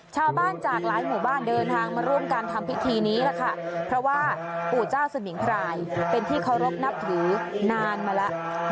ชาวบ้านจากหลายหมู่บ้านเดินทางมาร่วมกันทำพิธีนี้ล่ะค่ะเพราะว่าปู่เจ้าสมิงพรายเป็นที่เคารพนับถือนานมาแล้ว